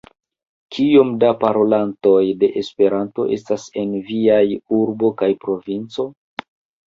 Kiom da parolantoj de Esperanto estas en viaj urbo kaj provinco?